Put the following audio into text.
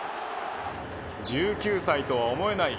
１９歳とは思えない